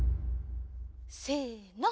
せの。